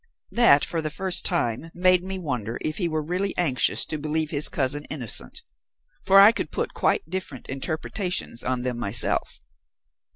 That, for the first time, made me wonder if he were really anxious to believe his cousin innocent. For I could put quite different interpretations on them myself.